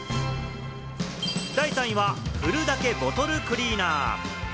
第３位は、ふるだけボトルクリーナー。